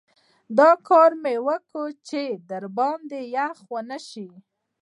دا کار مې وکړ چې باندې یخ ونه شي.